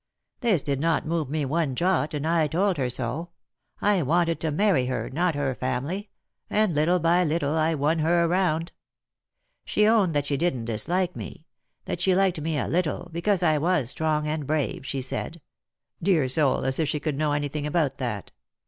This did not move me one jot, and I told her so. I wanted to marry her —not her family; and little by little I won her round. She owned that she didn't dislike me; that she liked me a little, because I was strong and brave, she said — dear soul, as if she could know anything about that